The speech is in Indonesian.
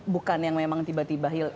bukan yang memang tiba tiba